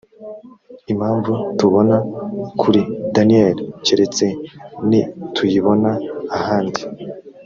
impamvu tubona kuri daniyeli keretse nituyibona ahandi.